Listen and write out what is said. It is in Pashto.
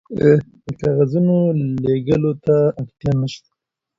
د کاغذونو لیږلو ته اړتیا نشته.